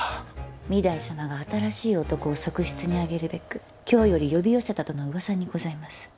御台様が新しい男を側室に上げるべく京より呼び寄せたとの噂にございます。